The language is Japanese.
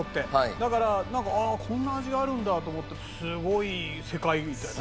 だからなんかこんな味があるんだと思ってすごい世界だよね